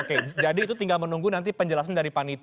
oke jadi itu tinggal menunggu nanti penjelasan dari panitia